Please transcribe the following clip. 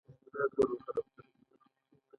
دا اړیکې د مبادلې او ویش له څرنګوالي څخه عبارت دي.